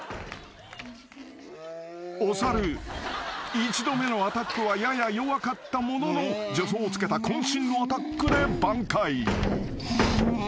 一度目のアタックはやや弱かったものの助走をつけた渾身のアタックで挽回］